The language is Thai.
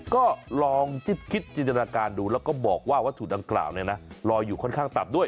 ก็ลองคิดจินตนาการดูแล้วก็บอกว่าวัตถุดังกล่าวเนี่ยนะลอยอยู่ค่อนข้างตับด้วย